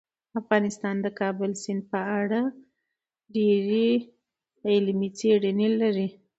افغانستان د کابل سیند په اړه ډېرې علمي څېړنې لري.